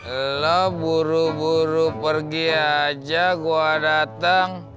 elah buru buru pergi aja gua dateng